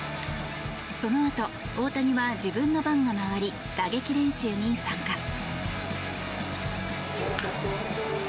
そのあと大谷は自分の番が回り打撃練習に参加。